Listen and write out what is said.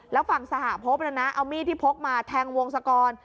แล้วฝั่งสหภพนี่น้าเอามีดที่พกมาแทงวงสธรณ์